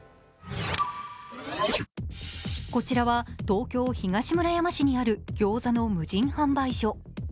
こちらは東京・東村山市にあるギョーザの無人販売所。